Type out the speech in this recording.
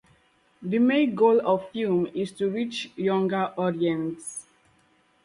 The main goal of the film is to reach younger audiences.